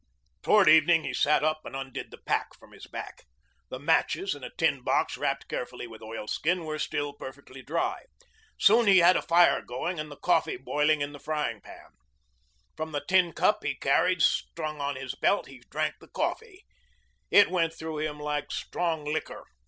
Toward evening he sat up and undid the pack from his back. The matches, in a tin box wrapped carefully with oilskin, were still perfectly dry. Soon he had a fire going and coffee boiling in the frying pan. From the tin cup he carried strung on his belt he drank the coffee. It went through him like strong liquor.